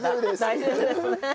大丈夫ですね。